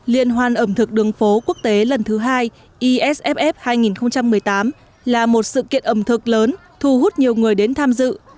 liên hoan ẩm thực đường phố quốc tế lần thứ hai isf hai nghìn một mươi tám là một sự kiện ẩm thực lớn thu hút nhiều người đến tham dự